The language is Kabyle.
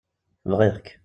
Bɣiɣ-k.